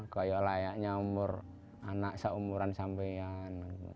seperti layaknya anak seumuran sampai sekarang